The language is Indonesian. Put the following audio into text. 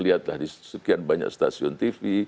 lihatlah di sekian banyak stasiun tv